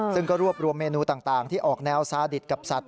ซึ่งก็รวบรวมเมนูต่างที่ออกแนวซาดิตกับสัตว